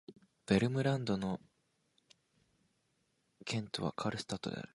ヴェルムランド県の県都はカールスタッドである